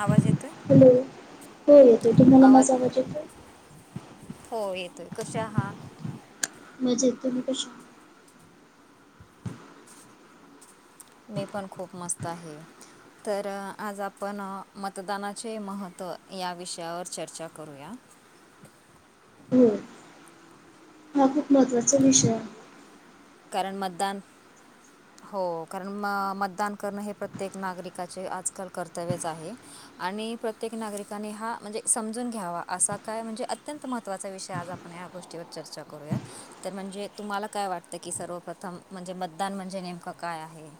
आवाज येतोय हॅलो हो येतोय. तुम्हाला माझा आवाज येतोय? हो येतोय कसे आहात? मजेत तुम्ही कशे? मी पण खूप मस्त आहे. तर आज आपण मतदानाचे महत्त्व या विषयावर चर्चा करूया. हम्म. हा खूप महत्त्वाचा विषय आहे. कारण मतदान [inaudible] हो कारण म मतदान करणं हे प्रत्येक नागरिकाचे आजकाल कर्तव्यच आहे. आणि प्रत्येक नागरिकाने हा म्हणजे समजून घ्यावा असा काय म्हणजे अत्यंत महत्त्वाचा विषय आज आप ण या गोष्टीवर चर्चा करूयात तर म्हणजे तुम्हाला काय वाटत? त्या की सर्वप्रथम म्हणजे मतदान म्हणजे नेमकं काय आहे?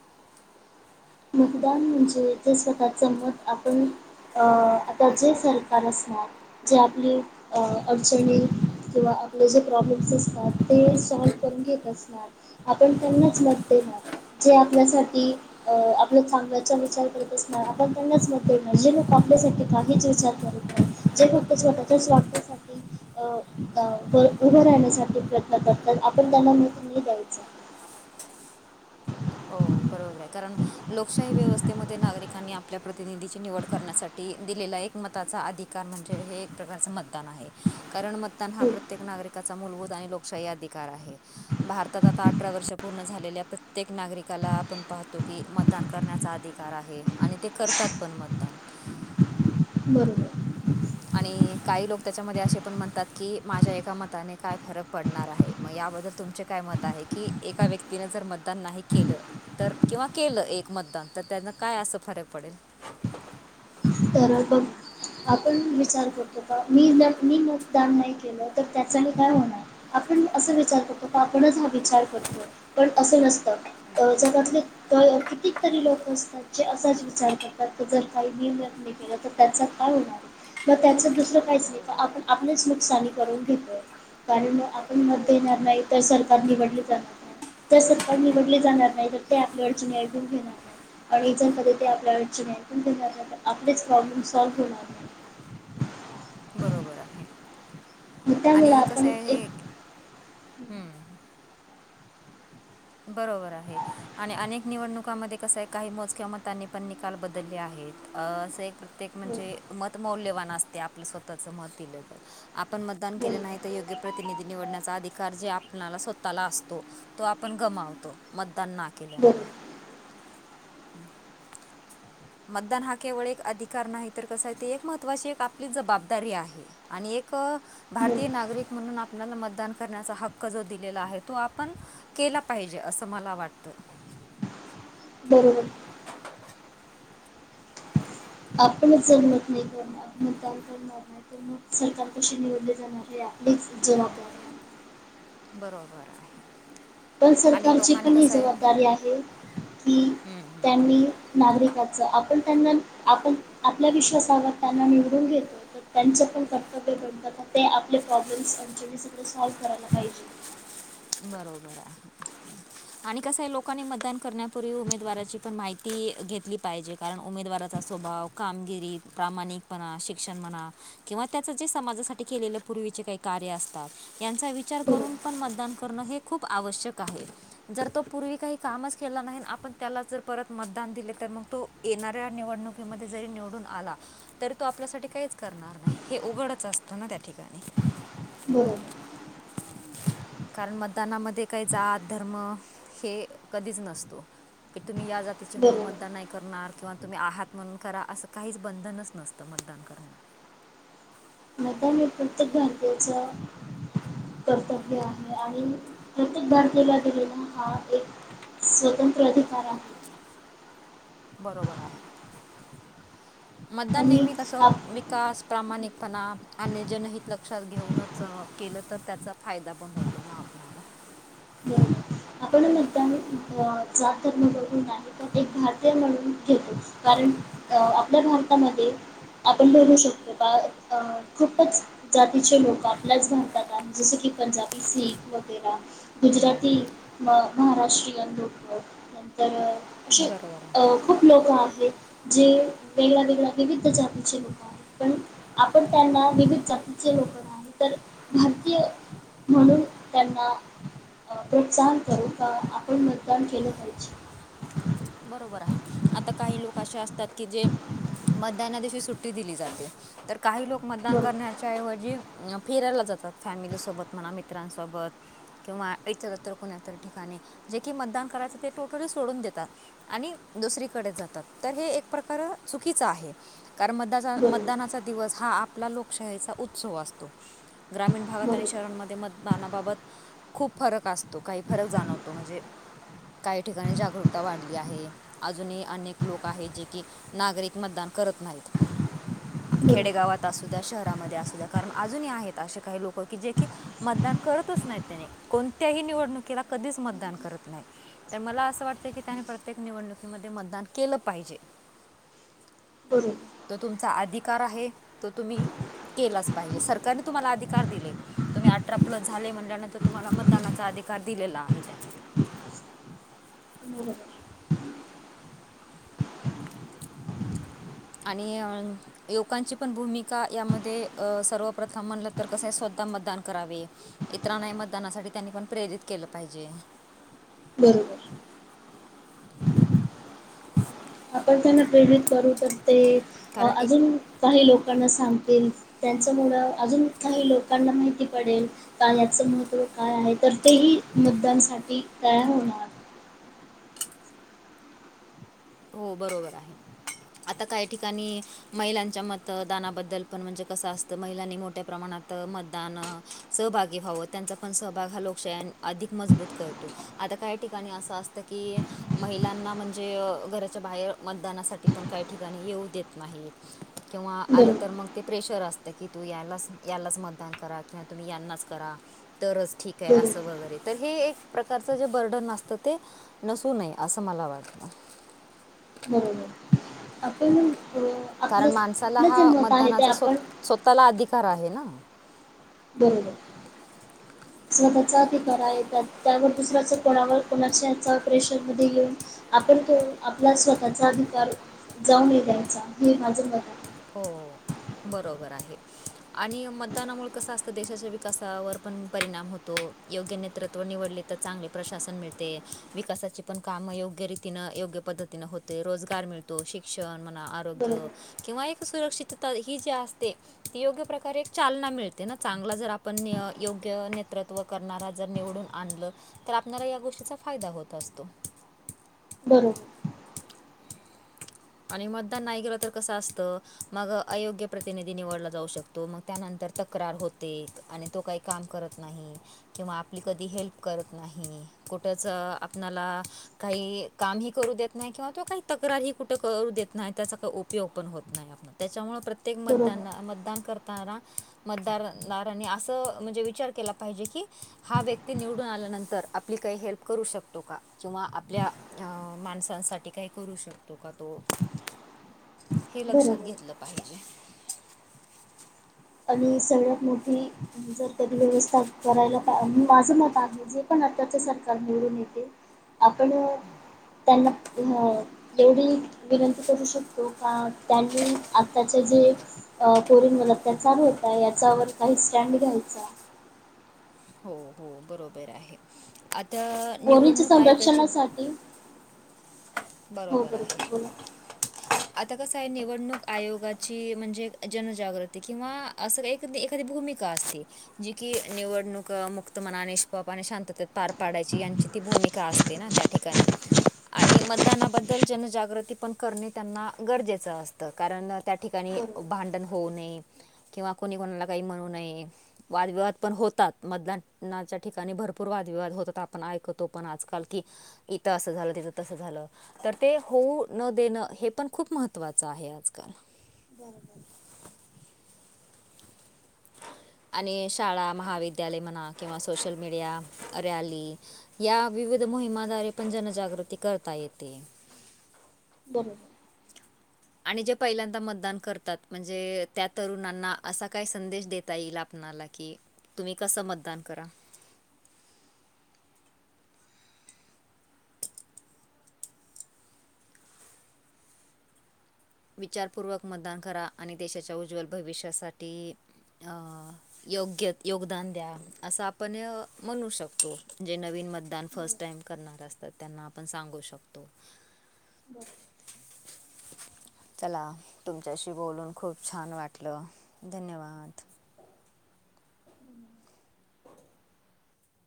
मतदान म्हणजे जे स्वतःचं मत आपण आता जे सरकार असणार जे आपली अडचणी किंवा आपले जे प्रॉब्लेम्स असतात ते सॉल्व करून घेत असतात. आपण त्यांनाच मत देनार जे आपल्यासाठी आपलं चांगल्याचा विचार करत असणार आपण त्यांनाच मत देणार जे लोक आपल्यासाठी काहीच विचार करत नाही. जे फक्त स्वतःच्या स्वार्थासाठी अ उभं राहण्यासाठी प्रयत्न करतात आपण त्यांना मत नाही द्यायचं. हो बरोबर आहे कारण लोकशाही व्यवस्थेमध्ये नागरिकांनी आपल्या प्रतिनिधीची निवड करण्यासाठी दिलेला एक मत ताचा अधिकार म्हणजे हे एक प्रकारच मतदान आहे कारण मतदान हा हो प्रत्येक नागरिक चा मुलभूत आणि लोकशाही अधिकार आहे भारतात आता अठरा वर्ष पूर्ण झालेल्या प्रत्येक नागरिकाला आपण पाहतो की मतदान करण्याचा अधिकार आहे. आणि ते करतात पण मतदान. बरोबर. आणि काही लोक त्याच्यामध्ये असे पण म्हणतात की माझ्या एका मताने काय फरक पडणार आहे मग याबद्दल तुमचे काय मत आहे की एका व्यक्तीने जर मतदान नाही केलं. तर किंवा केलं एक मतदान तर त्यांना काय अस फरक पडेल. बरोबर. आपण विचार करतो का मी, मी मतदान नाही केलं तर त्याच मग काय होणार? आपण असं विचार करतो आपणच हा विचार करतो पण असं नसतं. जगातले किती तरी लोक असतात जे असाच विचार करतात जर काही नाही केलं तर त्याच काय होणार? मग त्याचं दुसरं काहीच नाही तर बरोबर आपण आहे आपलीच नुकसानी करून घेतोय. कारण आपण मत हो देणार नाही तर सरकार निवडले जात त सरकार निवडले जाणार नाही तर ते आपल्या अडचणी ऐकून घेणार. आणि जर पधती आपल्यावरची नाही पण आपलेच प्रॉब्लेम सौल्व होणार. नाही बरोबर आहे, मग त्यामुळे आणि आपण कसं एक हे, हम्. बरोबर आहे, आणि अनेक निवडणुकामध्ये कसं आहे काही मोज किं मतांनी पण निकाल बदलले आहेत, अ असं एक प्रत्येक हो म्हणजे मतमौल्यवान असते आपलं स्वतःच मत दिलं, आपण मतदान केल बरोबर नाही. योग्य प्रतिनिधी निवडण्याचा अधिकार जे आपल्याला स्वतःला असतो तो आपण गमावतो, मतदान ना बरोबर केल्यामुळे. [inaudible] [unintelligible] मतदान हा केवळ एक अधिकार नाही तर कसा आहे ते एक महत्त्वाची एक आपली जबाबदारी आहे. आणि एक भारतीय नागरिक म्हणून आपल्याला मतदान करण्याचा हक्क जो दिलेला आहे तो आपण केला पाहिजे असं मला वाटतं. बरोबर. [inaudible] [unintelligible] आपण ज [unintelligible] त नाही कर आप तग कर [unintelligible] मग सरकार कशी निवडले जाणार हे आपलेच जन आपल्या. बरोबर आहे. पण आणि सरकारची लोकांनी पण ही कसं आहे जबाबदारी आहे की त्यांनी नागरिकाचं आपण त्यांना आपण आपल्या विश्वासावर त्यांना निवडून घेतो. तर त्यांचं पण कर्तव्य बनतात ते आपले प्रॉब्लेम्स अडच्याणी सगळ सॉल्व्ह करायला पाहिजे. बरोबर आहे. आणि कस आहे लोकांनी मतदान करण्यापूर्वी उमेदवाराची पण माहिती घेतली पाहिजे. कारण उमेदवाराचा स्वभाव, कामगिरी, प्रामाणिकपणा, शिक्षण म्हणा किंवा त्याच जे समाजासाठी केलेले पूर्वीचे काही कार्य असतात त्यांचा विचार करून बरोबर पण मतदान करणं हे खूप आवश्यक आहे. जर तो पूर्वी काही कामच केला नाही आपण त्याला जर परत मतदान दिले तर मग तो येणाऱ्या निवडणुकीमध्ये जरी निवडून आला तरी तो आपल्यासाठी काहीच करणार नाही हे उघडच असतं ना त्या ठिकाणी. बर. कारण मतदानामध्ये काही जात, धर्म हे कधीच नसतो की तुम्ही या जात तिचे म्हणून बरोबर मतदान नाही करणार किंवा तुम्ही आहात म्हणून करा असं काहीच बंधनच नसतं मतदान करणं. मतदान हे कर्तव्य आहे तेंचा. कर्तव्य आहे आणि प्रत्येक भारतीला गेलेला हा एक स्वतंत्र अधिकारा. बरोबर आहे मतदान आणि नेहमी कशावर आप विक कास प्रामाणिकपणा आणि जनहित लक्षात घेऊनच केलं तर त्याचा फायदा पण होतो ना. नला [unintelligible] हो. आपण मतदान म ब जात धर्म बघून नाही तर एक भारतीय म्हणून घेतो च कारण अ आपल्या भारती [unintelligible] आपण बोलू शकतो का खूपच जातीचे लोक आपल्याच भारतातात आहे की जसे पंजाबी, सीख वगैरा. गुजराती हम्म, म महाराष्ट्रीयन लोक [unintelligible] नंतर अशे बरोबर अ आहे खूप लोक आहेत जे वेगळ्या वेगळ्या विविध [unintelligible] जातीचे लोक पण आपण त्यांना विविध जातीचे लोक नाही तर भारतीय म्हणून त्यांना प्रोत्साह करू का आपण? [unintelligible] काण केलं पाहिजे? बरोबर आहे आता काही लोक अशे असतात की जे मतदाना दिवशी सुट्टी दिली जाते तर काही लोक मतदान बरोबर, करण्यात च्या ऐवजी फिरायला जातात फॅमिली सोबत म्हणा मित्रांसोबत किंवा इतरत कुणातरी ठिकाणी जे कि मतदान करायचं ते टोटली सोडून देतात. आणि दुसरीकडे जातात तर हे एक प्रकार चुकीचं आहे. कारण मदाचा बरोबर, मतदानाचा दिवस हा आपला लोकशाहीचा उत्सव असतो. ग्रामीण भागात आणि शहरांमध्ये मतदानाबाबत खूप फरक असतो काही फरक जाणवतो म्हणजे काही ठिकाणी जागरूकता वाढली. आहे अजून अनेक लोक आहेत जे की नागरिक मतदान करत नाहीत. बरोबर, खेडेगावात असू द्या शहरामध्ये असू द्या कारण अजूनही आहेत असे काही लोक की जे की मतदान करतच नाही त्याने कोणत्याही निवडणुकीला कधीच मतदान करत नाही. तर मला असं वाटतं की त्याने प्रत्येक निवडणुकीमध्ये मतदान केलं पाहिजे. करू. तो तुमचा अधिकार आहे तो तुम्ही केलाच पाहिजे सरकारने तुम्हाला अधिकार दिलय. तुम्ही अठरा प्लस झाले म्हटल्यानंतर तुम्हाला मतदानाचा अधिकार दिलेला आहे त्यानी बरोबर. [inaudible] [inaudible] आणि अ योवकांची पण भूमिका यामध्ये अ सर्वप्रथम म्हणलं तर कसं आहे स्वतः मतदान करावे. इतरांनाही मतदानासाठी त्यांनी पण प्रेरित केलं पाहिजे. बरोबर. आपण त्यांना प्रेरित करू तर ते अ कारण ए अजून काही लोकांना सांगतील त्यांच्यामुळं अजून काही लोकांना माहिती पडेल. [unintelligible] का याचं महत्त्व काय आहे तर तेही मतदानसाठी तयार होणार. हो बरोबर आहे आता काही ठिकाणी महिलांच्या मतदानाबद्द ल पण म्हणजे कसं असतं महिलांनी मोठ्या प्रमाणात मतदान सहभागी व्हाव त्यांचा पण सहभाग हा लोकशाही आणि अधिक मजबूत करतो आता काही ठिकाणी असा अस तकी महिलांना म्हणजे घराच्या बाहेर मतदानासाठी पण काही ठिकाणी येऊ देत नाही किंवा आलं बरोबर, तर मग ते प्रेशर असतं की तू यालाच यालाच मतदान करा किंवा तुम्ही यांनाच करा तरच ठीक काही बरोबर, अस वगैरे तर हे एक प्रकारच जे बर्डन असत ते नसू नये अस मला वाटत. हम्म [unintelligible] कारण माणसाला हा मतदानाचा स्व आपण स्वतःला अधिकार आहे ना. बरोबर स्वतःचा अधिकारा आहे. त्या त्यावर दुसऱ्याच कोणावर कोणाच्या याच प्रेशरमध्ये येेऊन आपण तो आपला स्वतःचा अधिकार जाऊ नाही द्यायचा हे माझ मत आहे. हो बरोबर आहे. आणि मतदानामुळे कस असत देशाच्या विकासावर पण परिणाम होतो. योग्य ने ते निवडले तर चांगले प्रशासन मिळते. विकासाची पण काम योग्य रीतीन योग्य पद्धत नी होत्या. रोजगार मिळतो शिक्षण म्हणा बरोबर आरोग्य किंवा एक सुरक्षितता ही जी असते. ती योग्य प्रकारे एक चालना मिळते न चांगला जर आपण योग्य नेतृत्व करणारा जर निवडून आणल तर आपण्याला या गोष्टीचा फायदा होत असतो. बर. आणि मतदान नाही केल तर कस असत मग अयोग्य प्रतिनिधी निवडला जाऊ शकतो मग त्यानंतर. तक्रार होते आणि तो काही काम करत नाही. किंवा आपली कधी हेल्प करत नाही कुठच, आपणाला काही कामही करू देत नाही किंवा तो काही तक्रारही कुठ.. तो करु दे नाही त्याचा का उपयोग पण होत नाही त्याच्यामुळे प्रत्येक मतदानला बरोबर मतदान कर.. करणारा मतदारानी अस म्हणजे विचार केला पाहिजे की हा व्यक्ती निवडून आल्यानंतर आपली काही हेल्प करू शकतो का किंवा आपल्या माणसांसाठी काही करू शकतो. तो का तो? हे लक्षात बरोबर घेतलं पाहिजे. आणि सगळ्यात मोठी जर तरी व्यवस्था करायला पा माझ मत आहे. जे पण आताच सरकार निवडून येतील आपण त्यांना एवढी विनंती करू शकतो का त्यांनी आताचे जे अ पोरींवर अत्याचार होतोय याच्यावर काही स्टँड घ्यायचा. हो हो बरोबर आहे. आता ओरीच्या निवडणूक आयोगाची संरक्षणासाठी बरोबर आहे. ह आता कस आहे निवडणूक आयोगाची म्हणजे जनजागृती किंवा अस एक तर एखादी भूमिका असते. जी की निवडणूक मुक्त मना निष्पाप आणि शांततेत पार पाडायची यांची ती भूमिका असते ना त्या ठिकाणी आणि म.. ज्ञानाबद्दल जनजागृती पण करणे त्यांना गरजेचं असत कारण.. त्या ठिकाणी बरोबर भांडण होऊ नये किंवा कोणी कोणाला काही म्हणू नये. वादविवाद पण होतात मतदानाच्या ठिकाणी भरपूर वादविवाद होतात आपण ऐकतो पण आजकाल की इथ अस झाल. तिथ तस झाल. तर ते होऊ न देण हे पण खूप महत्त्वाच आहे आजकाल. बरोबर. आणि शाळा महाविद्यालय म्हणा किंवा सोशल मीडिया रॅली, या विविध मोहिमाद्वारे पण जनजागृती करता येते. बरोबर आणि जे पहिल्यांदा मतदान करतात म्हणजे त्या तरुणांना असा काय संदेश देता येईल आप आला की तुम्ही कसं मतदान करा. विचारपूर्वक मतदान करा आणि देशाच्या उज्ज्वल भविष्यासाठी अ योग्य योगदान द्या असं आपण म्हणू शकतो जे नवीन मध्ये मतदान फर्स्ट टाइम करणार असतात त्यांना आपण सांगू शकतो. हा. चला तुमच्याशी बोलून खूप छान वाटलं धन्यवाद.